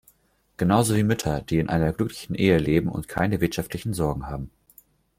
Genauso wie Mütter, die in einer glücklichen Ehe leben und keine wirtschaftlichen Sorgen haben.